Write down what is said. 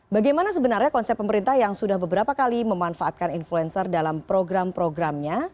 bagaimana sebenarnya konsep pemerintah yang sudah beberapa kali memanfaatkan influencer dalam program programnya